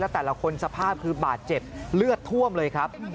แต่ละคนสภาพคือบาดเจ็บเลือดท่วมเลยครับ